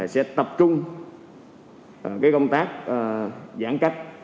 sẽ tập trung cái công tác giãn cách